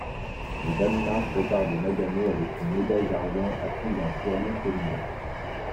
Le Danemark repart de Nagano avec une médaille d'argent, acquise en curling féminin.